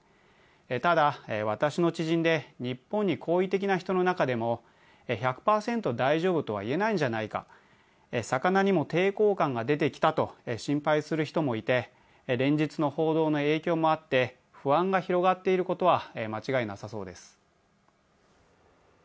ただ、私の知人で日本に好意的な人の中でも１００％大丈夫とはいえないんじゃないか、魚にも抵抗感が出てきたと心配する人もいて連日の報道の影響もあって、不安が広がっていることは間違いなさそうです。